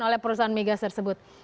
oleh perusahaan mega tersebut